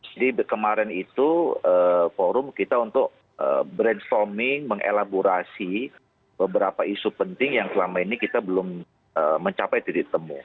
jadi kemarin itu forum kita untuk brainstorming mengelaborasi beberapa isu penting yang selama ini kita belum mencapai titik temu